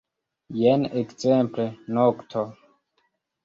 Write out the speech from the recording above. Jen, ekzemple, nokto.